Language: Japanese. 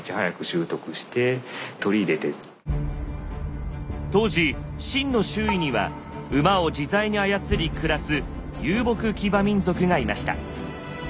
恐らく当時秦の周囲には馬を自在に操り暮らす遊牧騎馬民族がいました。